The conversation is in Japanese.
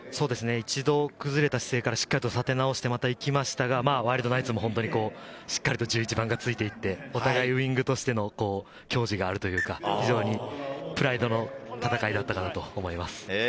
一度、崩れた姿勢から立て直していきましたが、ワイルドナイツもしっかり１１番がついていて、お互いウイングとしての矜持があるというか、プライドの戦いだったと思います。